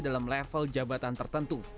dalam level jabatan tertentu